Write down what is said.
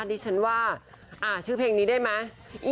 ดิฉันว่าชื่อเพลงนี้ได้ไหม